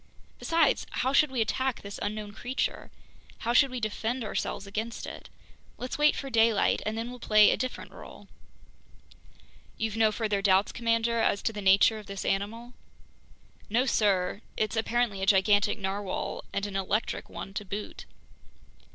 Besides, how should we attack this unknown creature, how should we defend ourselves against it? Let's wait for daylight, and then we'll play a different role." "You've no further doubts, commander, as to the nature of this animal?" "No, sir, it's apparently a gigantic narwhale, and an electric one to boot."